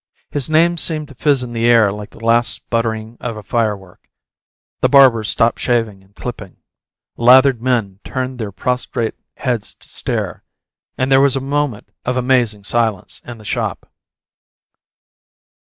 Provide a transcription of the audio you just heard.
His name seemed to fizz in the air like the last sputtering of a firework; the barbers stopped shaving and clipping; lathered men turned their prostrate heads to stare, and there was a moment of amazing silence in the shop.